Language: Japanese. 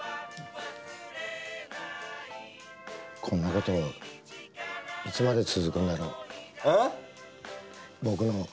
こんな事いつまで続くんだろう。